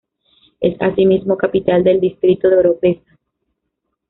Es asimismo capital del distrito de Oropesa.